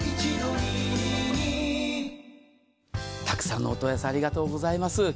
たくさんのお問い合わせ、ありがとうございます。